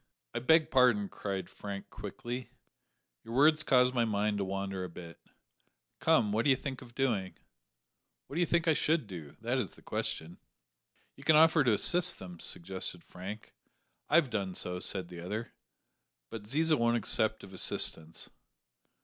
"I beg pardon," cried Frank quickly, "your words caused my mind to wander a bit. Come, what do you think of doing?" "What do you think I should do? that is the question." "You can offer to assist them," suggested Frank. "I've done so," said the other, "but Ziza won't accept of assistance."